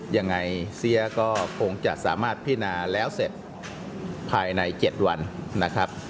ยังไงเสียก็คงจะสามารถพินาแล้วเสร็จภายใน๗วันนะครับ